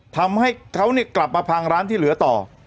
ทำให้เขาเนี่ยกลับมาผ่านร้านที่เหลือต่อ